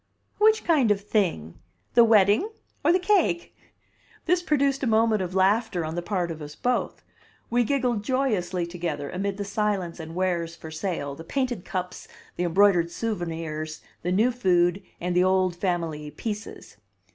"Which kind of thing? The wedding or the cake?" This produced a moment of laughter on the part of us both; we giggled joyously together amid the silence and wares for sale, the painted cups, the embroidered souvenirs, the new food, and the old family "pieces."